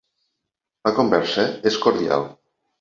La conversa és cordial.